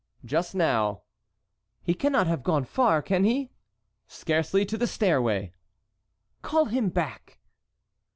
"Just now." "He cannot have gone far, can he?" "Scarcely to the stairway." "Call him back."